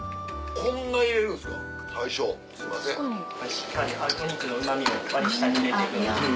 しっかりお肉のうまみを割り下に入れていく。